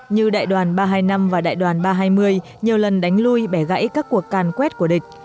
như đại đoàn ba trăm hai mươi năm và đại đoàn ba trăm hai mươi nhiều lần đánh lui bẻ gãy các cuộc càn quét của địch